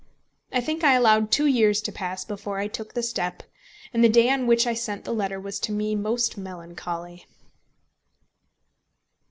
I think I allowed two years to pass before I took the step; and the day on which I sent the letter was to me most melancholy.